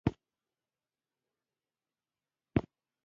تر وخته مخکې سپینوالي لامل ګرځېدای شي؟